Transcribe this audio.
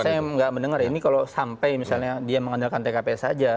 karena saya nggak mendengar ini kalau sampai misalnya dia mengandalkan tkp saja